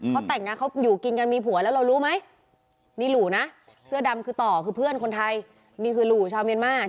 เขาแต่งงานเขาอยู่กินกันมีผัวแล้วเรารู้มั้ย